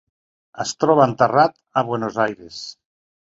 Es troba enterrat a Buenos Aires.